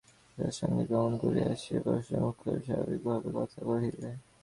আশার সঙ্গে কেমন করিয়া সে প্রসন্নমুখে স্বাভাবিকভাবে কথা কহিবে।